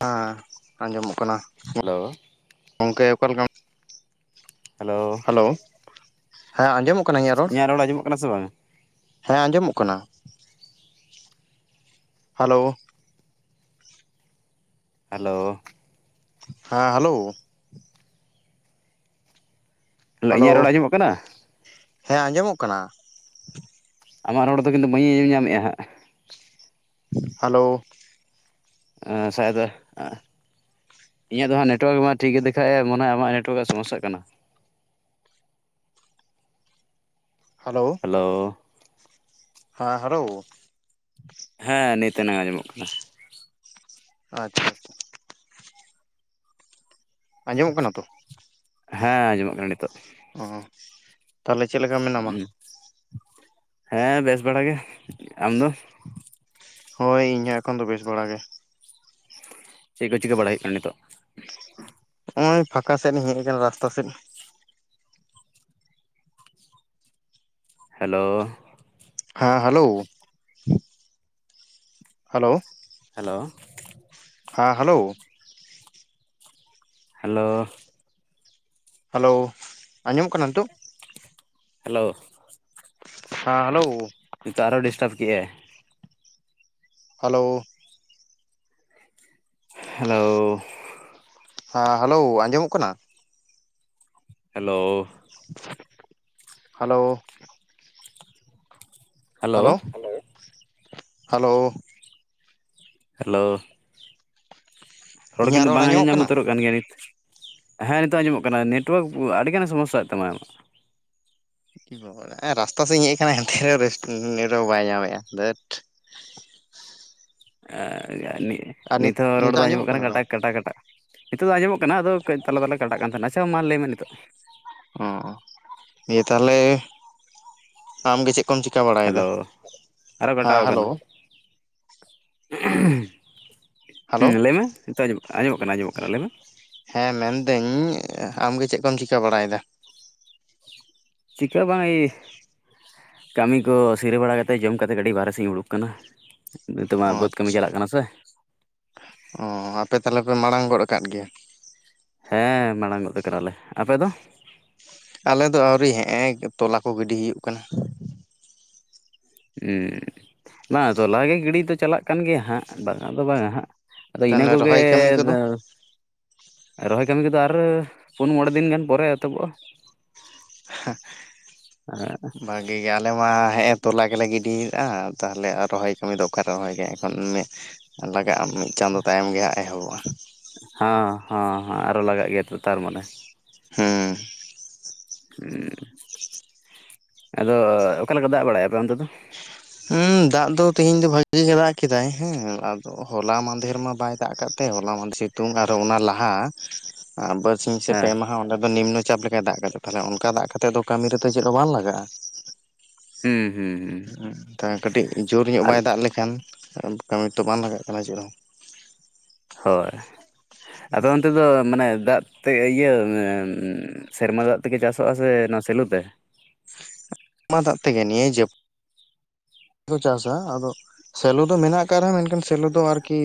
ᱦᱮᱸ ᱟᱸᱡᱚᱢᱚᱜ ᱠᱟᱱᱟ ᱦᱮᱞᱳ ᱜᱚᱝᱠᱮ ᱚᱠᱟᱞᱮᱠᱟ ᱦᱮᱞᱳ! ᱦᱮᱞᱳ! ᱦᱮᱸ ᱟᱸᱡᱚᱢᱚᱜ ᱠᱟᱱᱟ ᱤᱧᱟᱹᱜ ᱨᱚᱲ? ᱟᱸᱡᱚᱢᱚᱜ ᱠᱟᱱᱟ ᱥᱮ ᱵᱟᱝ ᱦᱮᱸ ᱟᱸᱡᱚᱢᱚᱜ ᱠᱟᱱᱟ ᱾ ᱦᱮᱞᱳ! ᱦᱮᱞᱳ! ᱦᱮᱸ ᱦᱮᱞᱳ! ᱞᱮᱜ ᱦᱮᱞᱳ ᱤᱧᱟᱹᱜ ᱨᱚᱲ ᱟᱸᱡᱚᱢᱚᱜ ᱠᱟᱱᱟ? ᱦᱮᱸ ᱟᱸᱡᱚᱢᱚᱜ ᱠᱟᱱᱟ ᱾ ᱟᱢᱟᱜ ᱨᱚᱲ ᱫᱚ ᱠᱤᱱᱛᱩ ᱵᱟᱹᱧ ᱟᱸᱡᱚᱢ ᱧᱟᱢᱮᱜᱼᱟ ᱦᱟᱸᱜ ᱾ ᱦᱮᱞᱳ! ᱮᱸᱻ ᱥᱟᱭᱚᱫ ᱟᱸ ᱤᱧᱟᱹᱜ ᱫᱚ ᱦᱟᱸᱜ ᱱᱮᱴᱣᱟᱨ ᱢᱟ ᱴᱷᱤᱠ ᱜᱮ ᱫᱮᱠᱷᱟᱭ ᱟᱭ ᱢᱚᱱᱮ ᱦᱚᱭ ᱟᱢᱟᱜ ᱱᱮᱴᱣᱟᱨᱟᱜ ᱥᱚᱢᱚᱥᱥᱟᱜ ᱠᱟᱱᱟ! ᱦᱮᱞᱳ! ᱦᱮᱞᱳ! ᱦᱟᱸ ᱦᱮᱞᱳ! ᱦᱮᱸ ᱱᱤᱛᱟᱱᱟ ᱟᱸᱡᱚᱢᱚᱜ ᱠᱟᱱᱟ ᱾ ᱟᱪᱪᱷᱟ ᱟᱪᱪᱷᱟ ᱾ ᱟᱸᱡᱚᱢᱚᱜ ᱠᱟᱱᱟ ᱛᱚ? ᱦᱮᱸ ᱟᱸᱡᱚᱢᱚᱜ ᱠᱟᱱᱟ ᱱᱤᱛᱚᱜ ᱾ ᱚ ᱾ ᱩᱸ ᱦᱮᱸ ᱵᱮᱥ ᱵᱷᱟᱲᱟ ᱜᱮ ᱾ ᱟᱢ ᱫᱚ? ᱦᱳᱭ ᱤᱧᱦᱚᱸ ᱮᱠᱷᱚᱱ ᱫᱚ ᱵᱮᱥ ᱵᱟᱲᱟ ᱜᱮ ᱾ ᱪᱮᱜ ᱠᱚ ᱪᱤᱠᱟᱹ ᱵᱟᱲᱟᱭ ᱦᱩᱭᱩᱜ ᱠᱟᱱᱟ ᱱᱤᱛᱚᱜ? ᱱᱚᱜᱼᱚᱭ ᱯᱷᱟᱸᱠᱟ ᱥᱮᱫᱤᱧ ᱦᱮᱡ ᱟᱠᱟᱱ ᱨᱟᱥᱛᱟ ᱥᱮᱫ ᱾ ᱦᱮᱞᱳᱻ ᱦᱮᱸ ᱦᱮᱞᱳ! ᱦᱮᱞᱳ! ᱦᱮᱞᱳ! ᱦᱮᱸ ᱦᱮᱞᱳ! ᱦᱮᱞᱳ! ᱦᱮᱞᱳ! ᱟᱸᱡᱚᱢᱚᱜ ᱠᱟᱱᱟ ᱱᱤᱛᱳᱜ? ᱦᱮᱞᱳ! ᱦᱮᱸ ᱦᱮᱞᱳ! ᱱᱤᱛᱚᱜ ᱟᱨᱚ ᱰᱤᱥᱴᱟᱵᱽ ᱠᱮᱜᱼᱟᱭ ᱾ ᱦᱮᱞᱳ! ᱦᱮᱞᱳ, ᱦᱮᱸ ᱦᱮᱞᱳ ᱟᱸᱡᱚᱢᱚᱜ ᱠᱟᱱᱟ? Hello, hello, hello hello hello, hello, ᱨᱚᱲ ᱤᱧᱟᱹᱜ ᱠᱤᱱᱛᱩ ᱵᱟᱝ ᱟᱸᱡ ᱟᱸᱡᱚᱢᱚᱜ ᱠᱟᱱᱟ ᱧᱟᱢ ᱩᱛᱟᱹᱨᱚᱜ ᱠᱟᱱ ᱜᱮᱭᱟ ᱱᱤᱛ᱾ ᱦᱮᱸ ᱱᱤᱛᱚᱜ ᱟᱸᱡᱚᱢᱚᱜ ᱠᱟᱱᱟ ᱱᱮᱴᱳᱣᱟᱨᱠ ᱟᱹᱰᱤᱜᱟᱱᱮ ᱥᱚᱢᱚᱥ ᱥᱟᱭᱮᱫ ᱛᱟᱢᱟ᱾ ᱦᱮᱸ ᱨᱟᱥᱛᱟ ᱥᱮᱡ ᱤᱧ ᱦᱮᱡ ᱟᱠᱟᱱᱟ ᱮᱱᱛᱮ ᱨᱮᱦᱚᱸ ᱨᱮᱥᱴ ᱱᱮᱴᱣᱟᱨᱠ ᱵᱟᱭ ᱧᱟᱢᱮᱫᱼᱟ ᱫᱷᱟᱹᱴ᱾ ᱮᱻ ᱱᱤ ᱱᱤᱛ ᱦᱚᱸ ᱨᱚᱲ ᱫᱚᱝ ᱟᱸᱡᱚᱢᱚᱜ ᱠᱟᱱᱟ ᱠᱟᱴᱟ ᱠᱟᱴᱟ ᱾ ᱱᱤᱛᱚᱜ ᱫᱚ ᱟᱸᱡᱚᱢᱚᱜ ᱠᱟᱱᱟ ᱟᱫᱚ ᱠᱟᱹᱡ ᱛᱟᱞᱟ ᱛᱟᱞᱟ ᱠᱟᱴᱟᱜ ᱠᱟᱱ ᱛᱟᱦᱮᱱᱟ ᱟᱪᱷᱟ ᱢᱟ ᱞᱟᱹᱭᱢᱮ ᱱᱤᱛᱚᱜ ᱾ ᱚᱸ ᱫᱤᱭᱮ ᱛᱟᱦᱚᱞᱮ ᱟᱢ ᱜᱮ ᱪᱮᱫ? ᱠᱚᱢ ᱪᱤᱠᱟ ᱵᱟᱲᱟᱭᱮᱫᱟ? ᱦᱮᱞᱳ ᱦᱮᱸ ᱦᱮᱞᱳ᱾ ᱦᱩᱸ ᱦᱮᱞᱳ ᱞᱟᱹᱭᱢᱮ ᱱᱤᱛᱳᱜ ᱟᱸ ᱟᱸᱡᱚᱢᱚᱜ ᱠᱟᱱᱟ ᱟᱸᱡᱚᱢᱚᱜ ᱠᱟᱱᱟ ᱞᱟᱹᱭ ᱢᱮ ᱦᱮᱸ ᱢᱮᱱᱫᱟᱹᱧ ᱟᱢᱜᱮ ᱪᱮᱫ ᱠᱚᱢ ᱪᱤᱠᱟᱹ ᱵᱟᱲᱟᱭᱮᱫᱟ? ᱪᱤᱠᱟᱹ ᱵᱟᱝ ᱤ ᱠᱟᱹᱢᱤ ᱠᱚ ᱥᱤᱨᱟᱹ ᱵᱟᱲᱟ ᱠᱟᱛᱮᱫ ᱡᱚᱢ ᱠᱟᱛᱮ ᱠᱟᱹᱴᱤᱡ ᱵᱟᱨᱦᱮ ᱥᱮᱫ ᱤᱧ ᱩᱰᱩᱠ ᱠᱟᱱᱟ᱾ ᱱᱤᱛᱚᱜ ᱢᱟ ᱚ ᱵᱟᱹᱫᱽ ᱠᱟᱹᱢᱤ ᱟᱪᱪᱷᱟ ᱪᱟᱞᱟᱜ ᱥᱮ ᱚ ᱟᱯᱮ ᱛᱟᱦᱚᱞᱮ ᱯᱮ ᱢᱟᱲᱟᱝ ᱜᱚᱫ ᱟᱠᱟᱫ ᱜᱮᱭᱟ᱾ ᱦᱮᱸ ᱢᱟᱲᱟᱝ ᱜᱚᱛ ᱠᱟᱱᱟᱞᱮ᱾ᱟᱯᱮ ᱫᱚ? ᱟᱞᱮ ᱫᱚ ᱟᱹᱣᱨᱤ ᱦᱮᱸ ᱛᱚᱞᱟ ᱠᱚ ᱜᱤᱰᱤ ᱦᱩᱭᱩᱜ ᱠᱟᱱᱟ᱾ ᱩᱸ ᱵᱟᱝ ᱛᱚᱞᱟ ᱜᱮ ᱜᱤᱰᱤ ᱫᱚ ᱪᱟᱞᱟᱜ ᱠᱟᱱ ᱜᱮᱭᱟ ᱦᱟᱸᱜ ᱵᱟᱝᱟ ᱫᱚ ᱵᱟᱝᱟ ᱦᱟᱸᱜ᱾ ᱟᱫᱚ ᱤᱱᱟᱹ ᱛᱟᱦᱚᱞᱮ ᱠᱚᱜᱮ ᱨᱚᱦᱚᱭ ᱠᱟᱹᱢᱤ ᱠᱚᱫᱚ ᱫᱚ ᱨᱚᱦᱚᱭ ᱠᱟᱹᱢᱤ ᱠᱚᱫᱚ ᱟᱨ ᱯᱩᱱ ᱢᱚᱬᱮ ᱫᱤᱱ ᱜᱟᱱ ᱯᱚᱨᱮ ᱮᱛᱚᱦᱚᱵᱚᱜᱼᱟ᱾ ᱦᱮᱸ [unintelligible] ᱵᱷᱟᱜᱮ᱾ ᱜᱮ ᱟᱞᱮ ᱢᱟ ᱦᱮᱸᱜ ᱮ ᱛᱚᱞᱟ ᱜᱮᱞᱮ ᱜᱤᱰᱤᱭᱮᱫ-ᱟ ᱛᱟᱦᱞᱮ ᱨᱚᱦᱚᱭ ᱠᱟᱹᱢᱤ ᱫᱚ ᱚᱠᱟᱨᱮ ᱨᱚᱦᱚᱭ ᱜᱮ ᱮᱠᱷᱚᱱ ᱞᱟᱜᱟᱜᱼᱟ ᱢᱤᱫ ᱪᱟᱸᱫᱳ ᱛᱟᱭᱚᱢ ᱜᱮ ᱦᱟᱸᱜ ᱮᱦᱚᱵᱚᱜᱼᱟ᱾ ᱦᱮᱸ ᱦᱮᱸ ᱦᱮᱸ ᱟᱨᱚ ᱞᱟᱜᱟᱜ ᱜᱮᱭᱟ ᱛᱚ ᱛᱟᱨ ᱢᱟᱱᱮ᱾ ᱦᱩᱸ᱾ ᱩ ᱟᱫᱚ ᱚᱠᱟ ᱞᱮᱠᱟ ᱫᱟᱜ ᱵᱟᱲᱟᱭᱮᱫ ᱟ ᱟᱯᱮ ᱚᱱᱛᱮ ᱫᱚ? ᱦᱩᱸ ᱫᱟᱜ ᱫᱚ ᱛᱤᱦᱤᱧ ᱫᱚ ᱵᱷᱟᱜᱤ ᱜᱮ ᱫᱟᱜ ᱠᱮᱫᱟᱭ ᱦᱮᱸ ᱟᱫᱚ ᱦᱚᱞᱟ ᱢᱟᱱᱫᱦᱮᱨ ᱢᱟ ᱵᱟᱭ ᱫᱟᱜ ᱟᱠᱟᱫ ᱛᱮ ᱦᱚᱞᱟ ᱢᱟᱱᱫ ᱥᱤᱛᱩᱝ ᱟᱨ ᱚᱱᱟ ᱞᱟᱦᱟ ᱵᱟᱨᱥᱤᱧ ᱥᱮ ᱦᱮᱸ ᱯᱮ ᱢᱟᱦᱟ ᱚᱸᱰᱮ ᱫᱚ ᱱᱤᱢᱱᱚ ᱪᱟᱯ ᱞᱮᱠᱟᱭ ᱫᱟᱜ ᱠᱟᱫᱟ ᱛᱟᱦᱚᱞᱮ ᱚᱱᱠᱟ ᱫᱟᱜ ᱠᱟᱛᱮᱜ ᱫᱚ ᱠᱟᱹᱢᱤ ᱨᱮᱫᱚ ᱪᱮᱫ ᱦᱚᱸ ᱵᱟᱝ ᱞᱟᱜᱟᱜᱼᱟ᱾ ᱦᱩᱸ ᱦᱩᱸ ᱦᱩᱸ᱾ ᱛᱟᱦᱚᱞᱮ ᱠᱟᱹᱴᱤᱡ ᱡᱳᱨ ᱧᱚᱜ ᱟᱨ ᱵᱟᱭ ᱫᱟᱜ ᱞᱮᱠᱷᱟᱱ ᱠᱟᱹᱢᱤ ᱛᱚ ᱵᱟᱝ ᱞᱟᱜᱟᱜ ᱠᱟᱱᱟ ᱪᱮᱫ ᱦᱚᱸ᱾ ᱦᱳᱭ ᱟᱫᱚ ᱚᱱᱛᱮ ᱫᱚ ᱢᱟᱱᱮ ᱫᱟᱜ ᱛᱮ ᱤᱭᱟᱹ ᱢᱟᱱᱮ ᱥᱮᱨᱢᱟ ᱫᱟᱜ ᱛᱮᱜᱮ ᱪᱟᱥᱚᱜᱼᱟ ᱥᱮ ᱱᱚᱣᱟ ᱥᱮᱞᱤ ᱛᱮ? ᱢᱟ ᱫᱟᱜ ᱛᱮᱜᱮ ᱱᱤᱭᱟᱹ ᱡᱟᱹᱯ ᱪᱟᱥᱟ ᱟᱫᱚ ᱥᱮᱞᱳ ᱫᱚ ᱢᱮᱱᱟᱜ ᱟᱠᱟᱫ ᱢᱮᱱᱠᱷᱟᱱ ᱥᱮᱞᱳ ᱫᱚ ᱟᱨᱠᱤ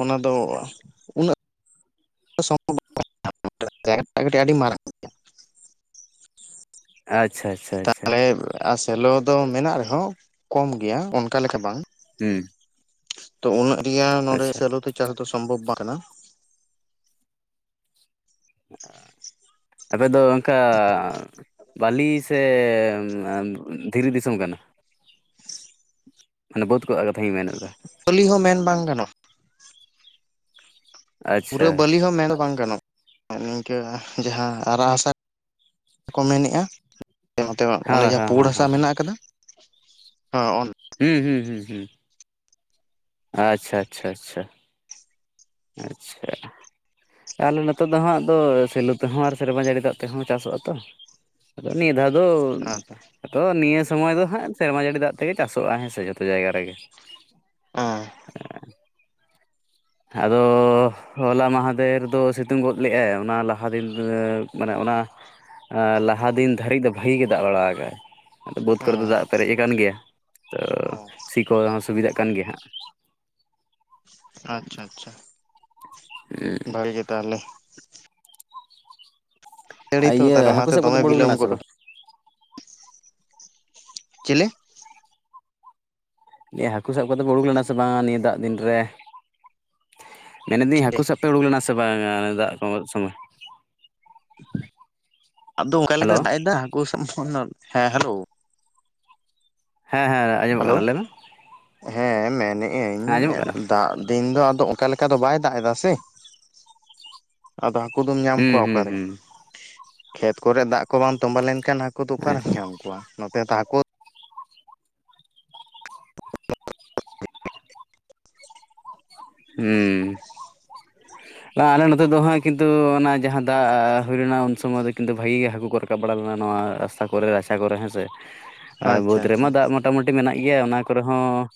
ᱚᱱᱟ ᱫᱚ ᱩᱱᱟᱹᱜ [inaudible] ᱠᱟᱹᱴᱤᱡ ᱟᱹᱰᱤ ᱢᱟᱨᱟᱝ᱾ ᱟᱪᱪᱷᱟ ᱟᱪᱪᱷᱟ ᱟᱪᱪᱷᱟ᱾ ᱟᱨ ᱥᱮᱞᱚ ᱫᱚ ᱢᱮᱱᱟᱜ ᱨᱮᱦᱚᱸ ᱠᱚᱢ ᱜᱮᱭᱟ ᱚᱱᱠᱟ ᱞᱮᱠᱟ ᱵᱟᱝ᱾ ᱦᱩᱸ᱾ ᱛᱚ ᱩᱭᱟᱹᱜ ᱨᱮᱭᱟᱜ ᱱᱚᱸᱰᱮ ᱟᱪᱪᱷᱟ ᱥᱮᱞᱳᱛᱮ ᱪᱟᱥ ᱫᱚ ᱥᱚᱢᱵᱷᱚᱵᱽ ᱵᱟᱝ ᱠᱟᱱᱟ᱾ [unintelligible] ᱟᱯᱮ ᱫᱚ ᱚᱱᱠᱟ ᱵᱟᱹᱞᱤ ᱥᱮᱻ ᱚᱱᱟ ᱫᱷᱤᱨᱤ ᱫᱤᱥᱚᱢ ᱠᱟᱱᱟ? ᱢᱟᱱᱮ ᱵᱟᱹᱫ ᱠᱚᱣᱟᱜ ᱠᱟᱛᱷᱟᱧ ᱢᱮᱱ ᱮᱫᱟ᱾ ᱯᱟᱞᱤ ᱦᱚᱸ ᱢᱮᱱ ᱵᱟᱝ ᱜᱟᱱᱚᱜᱼᱟ᱾ ᱟᱪᱪᱷᱟ ᱯᱩᱨᱟᱹ ᱵᱟᱹᱞᱤ ᱦᱚᱸ ᱢᱮᱱ ᱫᱚ ᱵᱟᱝ ᱜᱟᱱᱚᱜᱼᱟ᱾ ᱟᱨ ᱱᱤᱝᱠᱟᱹ ᱡᱟᱸᱦᱟ ᱟᱨᱟᱜ ᱦᱟᱥᱟ ᱠᱚ ᱢᱮᱱᱮᱜᱼᱟ ᱱᱚᱛᱮ ᱚᱱᱮ ᱦᱮᱸ ᱡᱟᱸᱦᱟ ᱦᱮᱸ ᱯᱩᱲ ᱦᱮᱸ ᱦᱟᱥᱟ ᱦᱮᱸ ᱢᱮᱱᱟᱜ ᱠᱟᱫᱟ, ᱦᱚ ᱦᱩᱸ ᱦᱩᱸ ᱦᱩᱸ ᱦᱩᱸ᱾ ᱟᱪᱪᱷᱟ ᱟᱪᱪᱷᱟ ᱟᱪᱪᱷᱟ᱾ ᱟᱪᱪᱷᱟ᱾ ᱛᱟᱦᱚᱞᱮ ᱱᱤᱛᱚᱜ ᱫᱚ ᱦᱟᱸᱜ ᱟᱫᱚ ᱥᱮᱞᱳ ᱛᱮᱸᱦᱚ ᱟᱨ ᱥᱮᱨᱢᱟ ᱡᱟᱹᱲᱤ ᱫᱟᱜ ᱛᱮᱸᱦᱚ ᱪᱟᱥᱚᱜᱼᱟ ᱛᱚ᱾ ᱟᱫᱚ ᱱᱤᱭᱟᱹ ᱫᱷᱟᱣ ᱫᱚ ᱟᱪᱪᱷᱟ ᱛᱚ ᱱᱤᱭᱟᱹ ᱥᱳᱢᱳᱭ ᱫᱚ ᱦᱟᱸᱜ ᱥᱮᱨᱢᱟ ᱡᱟᱹᱲᱤ ᱫᱟᱜ ᱛᱮᱜᱮ ᱪᱟᱥᱚᱜᱼᱟ ᱦᱮᱸᱥᱮ ᱡᱷᱚᱛᱚ ᱡᱟᱭᱜᱟ ᱨᱮᱜᱮ᱾ [unintelligible] ᱟᱫᱚᱻ ᱦᱚᱞᱟ ᱢᱟᱦᱟᱫᱮᱨ ᱫᱚ ᱥᱤᱛᱩᱝ ᱜᱚᱫ ᱞᱮᱜᱼᱟᱭ ᱚᱱᱟ ᱞᱟᱦᱟ ᱫᱤᱱ ᱫᱚ ᱢᱟᱱᱮ ᱚᱱᱟ ᱟ ᱞᱟᱦᱟ ᱫᱤᱱ ᱫᱷᱟᱹᱨᱤᱜ ᱫᱚ ᱵᱷᱟᱜᱤ ᱜᱮ ᱫᱟᱜ ᱵᱟᱲᱟ ᱟᱠᱟᱜ ᱟᱭ᱾ ᱟᱫᱚ ᱵᱳᱛᱽ ᱠᱚᱨᱮ ᱫᱚ ᱫᱟᱜ ᱯᱮᱨᱮᱜ ᱠᱟᱱ ᱜᱮᱭᱟ, ᱛᱚ ᱥᱤ ᱠᱚ ᱥᱩᱵᱤᱫᱟᱜ ᱠᱟᱱ ᱜᱮᱭᱟ ᱦᱟᱸᱜ᱾ ᱟᱪᱪᱷᱟ ᱟᱪᱪᱷᱟ ᱵᱷᱟᱹᱜᱤ ᱜᱮ ᱛᱟᱦᱞᱮ᱾ ᱟ ᱡᱟᱹᱲᱤ ᱛᱚ ᱤᱭᱟᱹ ᱛᱟᱦᱚᱞᱮ ᱦᱟᱠᱩ ᱚᱱᱟᱛᱮ ᱥᱟᱵ ᱠᱚᱫᱚ ᱫᱚᱢᱮ ᱯᱮ ᱩᱱᱩᱠ ᱵᱤᱞᱚᱢ ᱞᱮᱱᱟ ᱥᱮ ᱜᱚᱫ ᱵᱟᱝ? ᱪᱤᱞᱤ? ᱮᱭᱟ ᱦᱟᱹᱠᱩ ᱥᱟᱵ ᱠᱚᱫᱚ ᱯᱮ ᱩᱱᱩᱠ ᱞᱮᱱᱟ ᱥᱮ ᱵᱟᱝ ᱱᱤᱭᱟᱹ ᱫᱟᱜ ᱫᱤᱱ ᱨᱮ? ᱢᱮᱱᱮᱫᱟᱹᱤᱧ ᱦᱟᱹᱠᱩ ᱥᱟᱵ ᱯᱮ ᱩᱲᱩᱠ ᱞᱮᱱᱟ ᱥᱮ ᱵᱟᱝᱟ ᱫᱟᱜ ᱠᱚᱢᱚᱜ ᱥᱳᱢᱳᱭ? ᱟᱫᱚ ᱚᱱᱠᱟ ᱦᱮᱞᱳ ᱞᱮᱠᱟᱛᱮᱭ ᱫᱟᱜᱮᱜᱼᱟ ᱦᱟᱹᱠᱩ ᱥᱟᱵ [unintelligible] ᱦᱮᱸ ᱦᱮᱞᱳ᱾ ᱦᱮᱸ ᱦᱮᱸ ᱟᱸᱡᱚᱢᱚᱜ ᱦᱮᱞᱳ, ᱠᱟᱱᱟ ᱞᱟᱹᱭ ᱢᱮ ᱦᱮᱸ ᱢᱮᱱᱮᱜ ᱟᱹᱧ ᱦᱮᱸ ᱟᱸᱡᱚᱢᱚᱜ ᱠᱟᱱᱟ ᱫᱟᱜ ᱛᱮᱦᱮᱱ ᱫᱚ ᱟᱫᱚ ᱚᱱᱠᱟ ᱞᱮᱠᱟ ᱫᱚ ᱵᱟᱭ ᱫᱟᱜ ᱮᱫᱟ ᱥᱮ ᱟᱫᱚ ᱦᱟᱠᱳ ᱫᱚᱢ ᱧᱟᱢ ᱦᱩᱸ ᱠᱚᱣᱟ ᱦᱩᱸ ᱚᱠᱟᱨᱮ, ᱦᱩᱸ ᱠᱷᱮᱛ ᱠᱚᱨᱮ ᱫᱟᱜ ᱠᱚ ᱵᱟᱢ ᱛᱚᱸᱵᱟ ᱞᱮᱱᱠᱷᱟᱱ ᱦᱟᱠᱳ ᱫᱚ ᱦᱮᱸ ᱚᱠᱟᱨᱮᱢ ᱧᱟᱢ ᱠᱚᱣᱟ ᱱᱚᱛᱮ ᱛᱚ ᱦᱟᱹᱠᱳ ᱦᱩᱸ ᱟᱞᱮ ᱱᱚᱛᱮ ᱫᱚ ᱦᱟᱸᱜ ᱠᱤᱱᱛᱩ ᱚᱱᱟ ᱡᱟᱸᱦᱟ ᱫᱟᱜ ᱦᱩᱭ ᱞᱮᱱᱟ ᱩᱱ ᱥᱳᱢᱳᱭ ᱫᱚ ᱠᱤᱱᱛᱩ ᱵᱷᱟᱹᱜᱤ ᱜᱮ ᱦᱟᱠᱳ ᱠᱚ ᱨᱟᱠ ᱨᱟᱠᱟᱵ ᱵᱟᱲᱟ ᱞᱮᱱᱟ ᱱᱚᱣᱟ ᱨᱟᱥᱛᱟ ᱠᱚᱨᱮ ᱨᱟᱪᱟ ᱠᱚᱨᱮ ᱦᱮᱸᱥᱮ, ᱟᱨ ᱟᱪᱪᱷᱟ ᱵᱳᱛᱽ ᱟᱪᱪᱷᱟ ᱨᱮᱢᱟ ᱫᱟᱜ ᱢᱚ ᱢᱚᱴᱟᱢᱳᱴᱤ ᱢᱮᱱᱟᱜ ᱜᱮᱭᱟ ᱚᱱᱟ ᱠᱚᱨᱮ ᱦᱚᱸ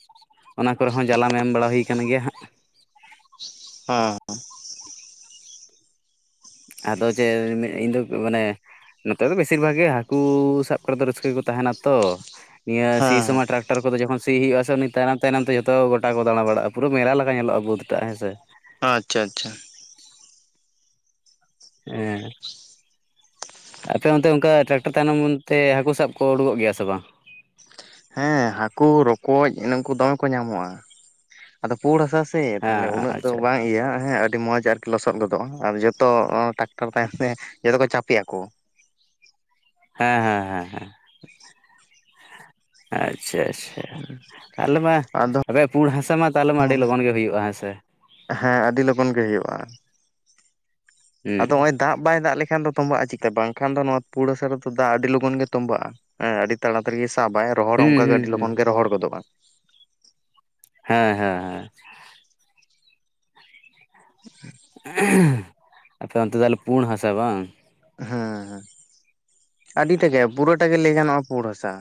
ᱚᱱᱟ ᱠᱚᱨᱮ ᱦᱚᱸ ᱡᱟᱞᱟᱢ ᱮᱢ ᱵᱟᱲᱟ ᱦᱩᱳ ᱠᱟᱱ ᱜᱮᱭᱟ ᱦᱟᱸᱜ᱾ [unintelligible] ᱦᱟᱸ ᱟᱫᱚ ᱡᱮ ᱢᱮ ᱤᱧᱫᱚ ᱢᱟᱱᱮ ᱱᱚᱛᱮ ᱫᱚ ᱵᱮᱥᱤᱨ ᱵᱷᱟᱜᱽ ᱜᱮ ᱦᱟᱹᱠᱩ ᱥᱟᱵ ᱠᱚᱨᱮ ᱫᱚ ᱨᱟᱹᱥᱠᱟᱹ ᱜᱮᱠᱚ ᱛᱟᱸᱦᱮᱱᱟ ᱛᱚ ᱱᱤᱭᱟᱹ ᱥᱤ ᱥᱳᱢ ᱦᱮᱸ ᱴᱨᱟᱠ ᱛᱟᱨᱯᱚᱨᱮ ᱡᱮᱠᱦᱚᱱ ᱥᱤ ᱦᱤᱭᱩᱜᱼᱟ ᱥᱮ ᱩᱱᱤ ᱛᱟᱭᱱᱚᱢ ᱛᱟᱭᱱᱚᱢ ᱛᱮ ᱡᱷᱚᱛᱚ ᱜᱚᱴᱟ ᱠᱚ ᱫᱟᱲᱟ ᱵᱟᱲᱟᱜᱼᱟ, ᱯᱩᱨᱟᱹ ᱢᱮᱞᱟ ᱞᱮᱠᱟ ᱧᱮᱞᱚᱜᱼᱟ ᱵᱳᱫ ᱴᱟᱜ ᱦᱮᱸ ᱥᱮ᱾ ᱟᱪᱪᱷᱟ ᱟᱪᱪᱷᱟ᱾ ᱮᱸ ᱟᱯᱮ ᱚᱱᱛᱮ ᱚᱝᱠᱟ ᱴᱨᱟᱠᱴᱟᱨ ᱛᱟᱭᱱᱚᱢ ᱚᱱᱛᱮ ᱦᱟᱹᱠᱳ ᱥᱟᱯ ᱠᱚ ᱳᱰᱳᱠᱚᱜ ᱜᱮᱭᱟ ᱥᱮ ᱵᱟᱝ? ᱦᱮᱸ ᱦᱟᱹᱠᱩ ᱨᱚᱠᱚᱡ ᱱᱩᱝᱠᱩ ᱫᱚᱢᱮ ᱠᱚ ᱧᱟᱢᱚᱜᱼᱟ, ᱟᱫᱚ ᱯᱩᱲ ᱦᱟᱥᱟ ᱥᱮ ᱛᱟᱞᱦᱮ ᱦᱮᱸ ᱩᱱᱟᱹᱜ ᱫᱚ ᱟᱪᱪᱷᱟ ᱵᱟᱝ ᱤᱭᱟᱹᱜᱼᱟ ᱦᱮ ᱟᱹᱰᱤ ᱢᱚᱸᱡᱽ ᱟᱨ ᱞᱚᱥᱚᱫ ᱜᱚᱫᱚᱜᱼᱟ ᱟᱨ ᱡᱚᱛᱚ ᱚ ᱴᱟᱠᱴᱟᱨ ᱛᱟᱭᱚᱢ ᱛᱮ ᱡᱚᱛᱚ ᱠᱚ ᱪᱟᱯᱮᱜᱼᱟᱠᱚ᱾ ᱦᱮᱸ ᱦᱮᱸ ᱦᱮᱸ ᱦᱮᱸ᱾ [unintelligible] ᱟᱪᱪᱷᱟ ᱟᱪᱪᱷᱟ, ᱟᱞᱮ ᱢᱟ ᱟᱫᱚ ᱨᱮ ᱯᱩᱲ ᱦᱟᱥᱟ ᱢᱟ ᱛᱟᱦᱞᱮ ᱢᱟ ᱟᱹᱰᱤ ᱞᱚᱜᱚᱱ ᱜᱮ ᱦᱩᱭᱩᱜᱼᱟ, ᱦᱮᱸ ᱥᱮ? ᱦᱮᱸ ᱟᱹᱰᱤ ᱞᱚᱜᱚᱱ ᱜᱮ ᱦᱩᱭᱩᱜᱼᱟ᱾ ᱟᱫᱚ ᱦᱩᱸ ᱦᱚᱸᱜᱼᱚᱭ ᱫᱟᱜ ᱵᱟᱭ ᱫᱟᱜ ᱞᱮᱠᱷᱟᱱ ᱫᱚ ᱛᱚᱸᱵᱟᱜᱼᱟ [inaudible] ᱵᱟᱝᱠᱷᱟᱱ ᱫᱚ ᱱᱚᱣᱟ ᱯᱩᱲ ᱦᱟᱥᱟ ᱨᱮᱫᱚ ᱫᱟᱜ ᱟᱹᱰᱤ ᱞᱚᱜᱚᱱ ᱜᱮ ᱛᱚᱸᱵᱟᱜᱼᱟ᱾ ᱦᱮᱸ ᱟᱹᱰᱤ ᱛᱟᱲᱟᱛᱟᱹᱲᱤ ᱜᱮᱭ ᱥᱟᱵᱟᱭ ᱨᱚᱦᱚᱲ ᱦᱚᱸ ᱦᱩᱸ ᱚᱝᱠᱟ ᱜᱮ ᱦᱩᱸ ᱟᱹᱰᱤ ᱦᱩᱸ ᱞᱚᱜᱚᱱ ᱜᱮ ᱨᱚᱦᱚᱲ ᱜᱚᱫᱚᱜ-ᱟ᱾ ᱦᱮᱸ ᱦᱮᱸ ᱦᱮᱸ᱾ [inaudible] ᱟᱯᱮ ᱚᱱᱛᱮ ᱫᱚ ᱛᱟᱦᱞᱮ ᱯᱩᱲ ᱦᱟᱥᱟ ᱵᱟᱝ? ᱦᱮᱸ ᱦᱮᱸ, ᱟᱹᱰᱤ ᱴᱟ ᱜᱮ ᱯᱩᱨᱟᱹᱴᱟ ᱜᱮ ᱞᱮᱭ ᱜᱟᱱᱚᱜ-ᱟ ᱯᱩᱲ ᱦᱟᱥᱟ,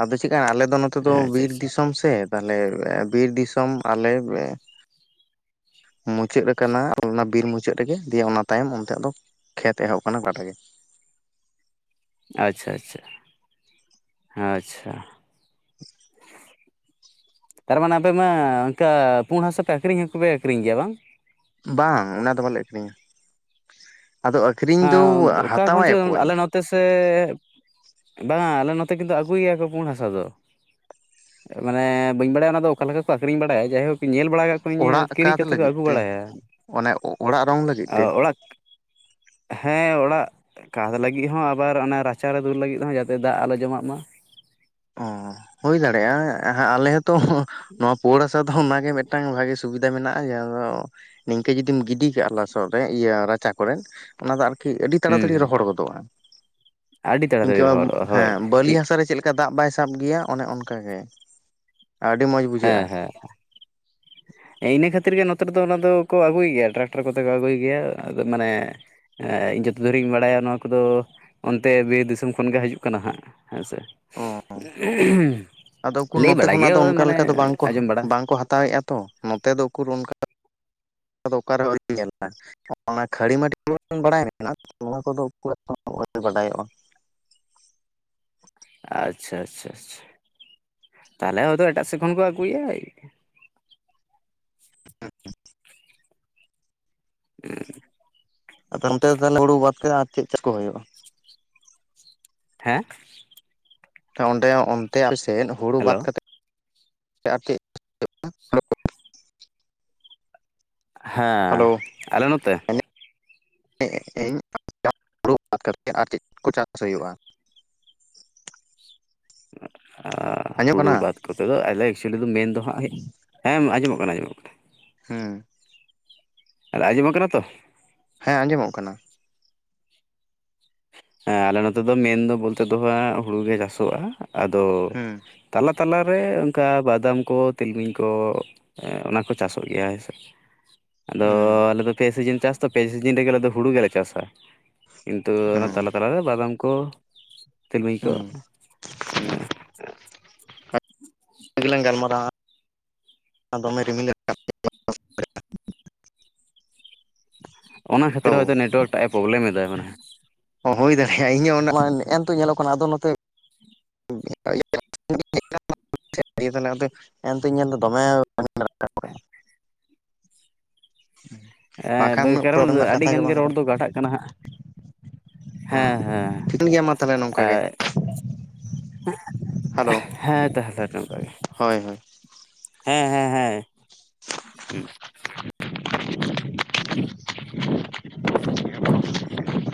ᱟᱫᱚ ᱪᱮᱜ ᱠᱟᱱᱟ ᱟᱞᱮ ᱫᱚ ᱱᱚᱛᱮ ᱫᱚ ᱟᱪᱪᱷᱟ ᱵᱤᱨ ᱟᱪᱪᱷᱟ ᱫᱤᱥᱚᱢ ᱥᱮ᱾ ᱛᱟᱦᱞᱮ ᱵᱤᱨ ᱫᱤᱥᱚᱢ ᱟᱞᱮ ᱵᱮ ᱢᱩᱪᱟᱹᱜ ᱟᱠᱟᱱᱟ [inaudible] ᱚᱱᱟ ᱵᱤᱨ ᱢᱩᱪᱟᱹᱜ ᱨᱮᱜᱮ ᱫᱤᱭᱮ ᱚᱱᱟ ᱛᱟᱭᱚᱢ ᱚᱱᱛᱮ ᱟᱫᱚ ᱠᱷᱮᱛ ᱮᱦᱚᱵ ᱠᱟᱱᱟ [inaudible] ᱨᱮᱜᱮ᱾ ᱟᱪᱪᱷᱟ ᱟᱪᱪᱷᱟ, ᱟᱪᱪᱷᱟ᱾ [inaudible] ᱛᱟᱨᱢᱟᱱᱮ ᱟᱯᱮ ᱢᱟ ᱚᱱᱠᱟ ᱯᱩᱬ ᱦᱟᱥᱟ ᱯᱮ ᱟᱹᱠᱷᱨᱤᱧ ᱦᱚᱸᱠᱩᱯᱮ ᱟᱹᱠᱷᱨᱤᱧ ᱜᱮᱭᱟ ᱵᱟᱝ? ᱵᱟᱝ ᱚᱱᱟ ᱫᱚ ᱵᱟᱞᱮ ᱟᱠᱷᱨᱤᱧᱟ᱾ ᱟᱫᱚ ᱟᱠᱷᱨᱤᱧ ᱫᱚ ᱦᱟᱛᱟᱣᱟᱭ ᱚᱠᱚᱭ? ᱛᱮ ᱥᱮ, ᱵᱟᱝᱟ ᱟᱞᱮ ᱱᱚᱛᱮ ᱠᱤᱱᱛᱩ ᱟᱹᱜᱩ ᱜᱮᱭᱟ ᱠᱚ ᱯᱩᱸᱲ ᱦᱟᱥᱟ ᱫᱚ᱾ ᱢᱟᱱᱮ ᱵᱟᱹᱧ ᱵᱟᱲᱟᱭᱟ ᱚᱱᱟ ᱫᱚ ᱚᱠᱟ ᱞᱮᱠᱟ ᱠᱚ ᱟᱠᱷᱨᱤᱧ ᱵᱟᱲᱟᱭᱟ ᱡᱟᱭᱦᱳᱠ ᱧᱮᱞ ᱵᱟᱲᱟ ᱚᱲᱟᱜ [unintelligible] [inaudible] ᱠᱤᱨᱤᱧ ᱠᱟᱸᱛ ᱠᱟᱛᱮ ᱠᱚ ᱞᱟᱹᱜᱤᱫ ᱟᱹᱜᱩ ᱛᱮ ᱵᱟᱲᱟᱭᱟ ᱚᱱᱮ ᱚᱲᱟᱜ ᱨᱚᱝ ᱞᱟᱹᱜᱤᱫ ᱮ ᱛᱮ ᱚᱲᱟᱜ ᱦᱮᱸ ᱚᱲᱟᱜ ᱠᱟᱛ ᱞᱟᱹᱜᱤᱫ ᱦᱚᱸ ᱟᱵᱟᱨ ᱚᱱᱟ ᱨᱟᱪᱟᱨᱮ ᱫᱩᱞ ᱞᱟᱹᱜᱤᱫ ᱦᱚᱸ ᱡᱟᱛᱮ ᱫᱟᱜ ᱟᱞᱚ ᱡᱚᱢᱟᱜ ᱢᱟ᱾ ᱚ ᱦᱩᱭ ᱫᱟᱲᱮᱭᱟᱜᱼᱟ ᱦᱟᱸᱜ ᱟᱞᱮ ᱦᱚᱸᱛᱚ ᱱᱚᱣᱟ ᱯᱳᱬ ᱦᱟᱥᱟ ᱫᱚ ᱚᱱᱟᱜᱮ ᱢᱤᱫᱴᱟᱝ ᱵᱷᱟᱜᱮ ᱥᱩᱵᱤᱫᱷᱟ ᱢᱮᱱᱟᱜᱼᱟ ᱡᱟᱦᱟᱸ ᱫᱚ ᱱᱤᱝᱠᱟᱹ ᱡᱩᱫᱤᱢ ᱜᱤᱰᱤ ᱠᱟᱜᱼᱟ ᱞᱚᱥᱚᱫ ᱨᱮ ᱤᱭᱟᱹ ᱨᱟᱪᱟ ᱠᱚᱨᱮᱫ ᱚᱱᱟ ᱫᱚ ᱟᱨᱠᱤ ᱟᱹᱰᱤ ᱦᱩᱸ ᱛᱟᱲᱟᱛᱟᱹᱲᱤ ᱦᱩᱸ ᱨᱚᱦᱚᱲ ᱜᱚᱫᱚᱜᱼᱟ᱾ ᱟᱹᱰᱤ ᱛᱟᱲᱟᱛᱟᱲᱤ ᱤᱱᱠᱟᱹ ᱨᱚᱦᱚᱲᱚᱜᱼᱟ ᱦᱳᱭ ᱦᱮᱸ ᱵᱟᱹᱞᱤ ᱦᱟᱥᱟ ᱨᱮ ᱪᱮᱫ ᱠᱟ ᱫᱟᱜ ᱵᱟᱭ ᱥᱟᱵ ᱜᱮᱭᱟ ᱚᱱᱮ ᱚᱱᱠᱟ ᱜᱮ, ᱟᱹᱰᱤ ᱢᱚᱸᱡᱽ ᱦᱮᱸ ᱵᱩᱡᱷᱟᱹᱜᱼᱟ᱾ ᱦᱮᱸ ᱤᱱᱟᱹ ᱠᱷᱟᱹᱛᱤᱨ ᱜᱮ ᱱᱚᱛᱮ ᱨᱮᱫᱚ ᱚᱱᱟ ᱫᱚᱠᱚ ᱟᱹᱜᱩᱭ ᱜᱮᱭᱟ ᱴᱨᱟᱠᱴᱟᱨ ᱠᱚᱛᱮ ᱠᱚ ᱟᱹᱜᱩᱭ ᱜᱮᱭᱟ ᱟᱫᱚ ᱢᱟᱱᱮ ᱮᱸ ᱡᱚᱛᱚ ᱫᱷᱚᱨᱤᱡ ᱤᱧ ᱵᱟᱲᱟᱭᱟ ᱱᱚᱣᱟ ᱠᱚᱫᱚ ᱚᱱᱛᱮ ᱵᱤᱨ ᱫᱤᱥᱚᱢ ᱠᱷᱚᱱᱜᱮ ᱦᱟᱡᱩᱜ ᱠᱟᱱᱟ ᱦᱟᱸᱜ, ᱦᱮᱸ ᱥᱮ? ᱚ ᱟᱫᱚ ᱩᱠᱩᱨ ᱞᱟᱹᱭ ᱱᱚᱛᱮ ᱵᱟᱲᱟᱭ ᱠᱷᱚᱱᱟᱜ ᱜᱮᱭᱟ ᱫᱚ ᱚᱱᱠᱟ ᱢᱟᱱᱮ ᱞᱮᱠᱟ ᱫᱚ ᱵᱟᱝᱠᱚ ᱟᱸᱡᱚᱢ ᱵᱟᱲᱟ ᱵᱟᱝᱠᱚ ᱦᱟᱛᱟᱣᱮᱫᱼᱟ᱾ ᱛᱚ ᱱᱚᱛᱮ ᱫᱚ ᱩᱠᱩᱨ ᱚᱱᱠᱟ ᱫᱚ ᱚᱠᱟᱨᱮᱦᱚ ᱟᱹᱶᱨᱤᱧ ᱧᱮᱞᱟ᱾ ᱚᱱᱟ ᱠᱷᱟᱹᱲᱤ ᱢᱟᱹᱴᱤ [inaudible] ᱵᱟᱲᱟᱭ ᱢᱮᱱᱟᱜᱼᱟ [inaudible] ᱟᱪᱪᱷᱟ ᱟᱪᱪᱷᱟ ᱟᱪᱪᱷᱟ, ᱛᱟᱦᱚᱞᱮ ᱦᱚᱭᱛᱚ ᱮᱴᱟᱜ ᱥᱮᱫ ᱠᱷᱚᱱ ᱠᱚ ᱟᱹᱜᱩᱭᱟ ᱮᱭ᱾ ᱩᱸ᱾ ᱟᱫᱚ ᱚᱱᱛᱮ ᱫᱚ ᱛᱟᱞᱦᱮ ᱦᱩᱲᱩ ᱵᱟᱫ [inaudible] ᱟᱨ ᱪᱮᱫ ᱪᱟᱥ ᱠᱚ ᱦᱩᱭᱩᱜ-ᱟ ᱦᱮᱸ? ᱚᱸᱰᱮ ᱚᱱᱛᱮ ᱟᱯᱮ ᱥᱮᱫ ᱦᱳᱲᱳ ᱦᱮᱞᱳ ᱵᱟᱫ ᱠᱟᱛᱮᱫ [inaudible] ᱦᱮᱸ ᱦᱮᱞᱳ ᱟᱞᱮ ᱱᱚᱛᱮ? [inaudible] ᱟᱨ ᱪᱮᱫ ᱠᱚ ᱪᱟᱥ ᱦᱩᱭᱩᱜᱼᱟ? ᱮᱸ ᱟᱸᱡᱚᱢᱚᱜ ᱦᱩᱲᱩ ᱠᱟᱱᱟ ᱵᱟᱫ ᱠᱚᱛᱮ ᱫᱚ ᱟᱞᱮ ᱮᱠᱪᱩᱭᱮᱞᱤ ᱫᱚ ᱢᱮᱱᱫᱚ ᱦᱟᱸᱜ ᱦᱮᱸ ᱟᱸᱡᱚᱢ ᱠᱟᱱᱟ ᱟᱡᱸᱚᱢᱚᱜ ᱠᱟᱱᱟ᱾ ᱦᱩᱸ᱾ ᱟᱨᱮ ᱟᱸᱡᱚᱢᱚᱜ ᱠᱟᱱᱟ ᱛᱚ? ᱦᱮᱸ ᱟᱸᱡᱚᱢᱚᱜ ᱠᱟᱱᱟ᱾ ᱦᱮᱸ ᱟᱞᱮ ᱱᱚᱛᱮ ᱫᱚ ᱢᱮᱱ ᱫᱚ ᱵᱚᱞᱛᱮ ᱫᱚ ᱦᱟᱸᱜ ᱦᱩᱲᱩ ᱜᱮ ᱪᱟᱥᱚᱜᱼᱟ ᱟᱫᱚ ᱦᱩᱸ ᱛᱟᱞᱟ ᱛᱟᱞᱟ ᱨᱮ ᱚᱝᱠᱟ ᱵᱟᱫᱟᱢ ᱠᱚ ᱛᱤᱞᱢᱤᱧ ᱠᱚ ᱮᱸ ᱚᱱᱟ ᱠᱚ ᱪᱟᱥᱚᱜ ᱜᱮᱭᱟ ᱦᱮᱸ ᱥᱮ᱾ ᱟᱫᱚ ᱦᱩᱸ ᱟᱞᱮᱫᱚ ᱯᱮ ᱥᱤᱡᱤᱱ ᱪᱟᱥ ᱛᱚ ᱯᱮ ᱥᱤᱡᱤᱱ ᱨᱮᱜᱮ ᱟᱞᱮ ᱫᱚ ᱦᱩᱲᱩ ᱜᱮᱞᱮ ᱪᱟᱥᱟ᱾ ᱛᱚ ᱚᱱᱟ ᱦᱩᱸ ᱛᱟᱞᱟ ᱛᱟᱞᱟᱨᱮ ᱵᱟᱫᱟᱢ ᱠᱚ ᱛᱤᱞᱢᱤᱧ ᱠᱚ᱾ ᱦᱩᱸ ᱛᱮᱞᱟᱝ ᱜᱟᱞᱢᱟᱨᱟᱣᱟ [inaudible] ᱚᱱᱟ ᱠᱷᱟᱹᱛᱤᱨ ᱦᱮᱞᱳ ᱦᱚᱭᱛᱚ ᱱᱮᱴᱣᱟᱨᱠ ᱴᱟᱜ ᱮ ᱯᱚᱵᱞᱮᱢ ᱮᱫᱟᱭ ᱢᱟᱱᱮ᱾ ᱚ ᱦᱩᱭ ᱫᱟᱲᱮᱜᱼᱟ ᱤᱧ ᱦᱚᱸ [unintelligible] ᱱᱮᱜᱼᱮ ᱱᱤᱛᱚᱜ ᱧᱮᱞᱚᱜ ᱠᱟᱱᱟ ᱟᱫᱚ ᱱᱚᱛᱮ [inaudible] ᱦᱮᱸᱜᱼᱮ ᱛᱚᱜ ᱧᱮᱞᱫᱟ ᱫᱚᱢᱮ [inaudible] ᱩᱸ ᱮᱸ ᱫᱟᱹᱭ ᱠᱟᱨᱚᱱ ᱟᱹᱰᱤᱜᱟᱱ ᱜᱮ ᱨᱚᱲ ᱫᱚ ᱠᱟᱴᱟᱜ ᱠᱟᱱᱟ ᱦᱟᱸᱜ᱾ ᱦᱮᱸ ᱦᱮᱸ ᱴᱷᱤᱠᱟᱹᱱ ᱜᱮᱭᱟ ᱢᱟ ᱛᱟᱦᱚᱞᱮ ᱮ ᱱᱚᱝᱠᱟ ᱜᱮ ᱦᱮᱞᱳ ᱮᱸ ᱦᱮᱸ ᱛᱟᱦᱞᱮ ᱱᱚᱝᱠᱟ ᱜᱮ᱾ ᱦᱳᱭ ᱦᱳᱭ ᱦᱮᱸ ᱦᱮᱸ ᱦᱮᱸ ᱩᱸ [inaudible]